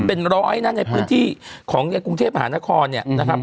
เป็นร้อยนะในพื้นที่ของในกรุงเทพหานครเนี่ยนะครับ